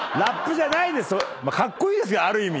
カッコイイですけどある意味。